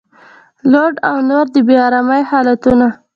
لوډ او نور د بې ارامۍ حالتونه